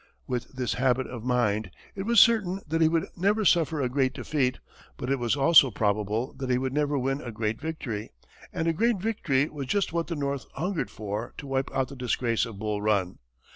With this habit of mind, it was certain that he would never suffer a great defeat; but it was also probable that he would never win a great victory, and a great victory was just what the North hungered for to wipe out the disgrace of Bull Run.